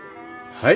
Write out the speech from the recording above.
はい。